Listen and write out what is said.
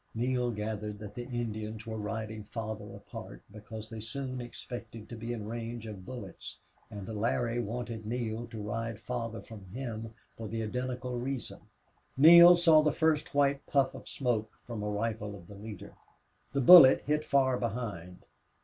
Neale gathered that the Indians were riding farther apart because they soon expected to be in range of bullets; and Larry wanted Neale to ride farther from him for the identical reason. Neale saw the first white puff of smoke from a rifle of the leader. The bullet hit far behind.